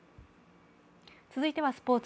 続いてはスポーツ。